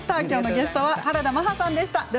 今日のゲストは原田マハさんでした。